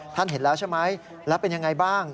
ท่านเห็นแล้วใช่ไหมแล้วเป็นอย่างไรบ้าง